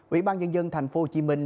ủy ban dân dân thành phố hồ chí minh